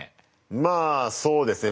まあそうですね。